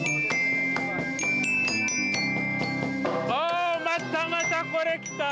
おおまたまたこれきた。